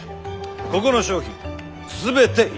ここの商品全て頂こう。